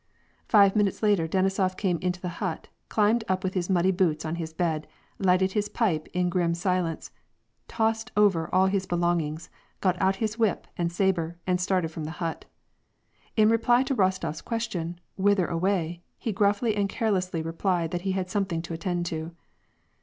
Five minutes later, Benisof came into the hut, climbed up with his muddy boots on his bed, lighted his pipe in grim si lence, tossed over all his belongings, got out his whip and sabre and started from the hut. In reply to Rostof s question, "Whither away," he gruffly and carelessly replied that he had something to attend to.